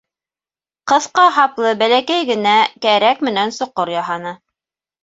Ҡыҫҡа һаплы бәләкәй генә кәрәк менән соҡор яһаны.